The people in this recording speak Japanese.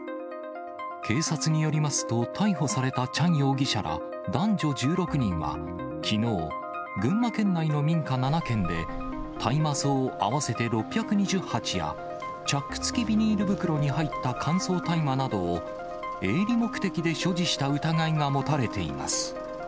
警察によりますと、逮捕されたチャン容疑者ら男女１６人は、きのう、群馬県内の民家７軒で大麻草合わせて６２０鉢や、チャック付きビニール袋に入った乾燥大麻などを、営利目的で所持した疑いが持たれています。